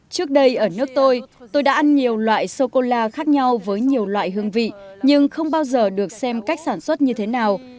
trước đây ở nước tôi tôi đã ăn nhiều loại sô cô la khác nhau với nhiều loại hương vị nhưng không bao giờ được xem cách sản xuất như thế nào